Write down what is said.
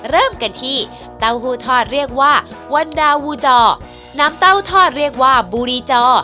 เริ่มกันที่เต้าหู้ทอดเรียกว่าวันดาวูจอน้ำเต้าทอดเรียกว่าบุรีจอ